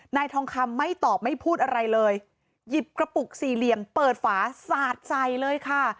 นายทองคำไม่ตอบไม่พูดอะไรเลยหยิบกระปุกสี่เหลี่ยมเปิดฝาสาดใส่เลยค่ะ